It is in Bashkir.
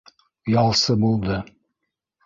Ялсы булды.